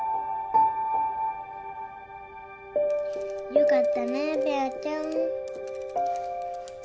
よかったねべあちゃん。